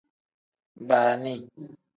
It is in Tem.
Baani.